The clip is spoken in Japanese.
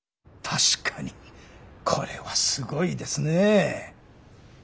確かにこれはすごいですねぇ。